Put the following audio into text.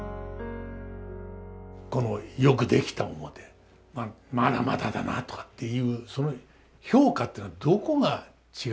このよくできた面「まだまだだなあ」とかっていうその評価っていうのはどこが違うんですか？